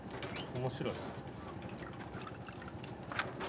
面白い。